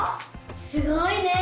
すごいね！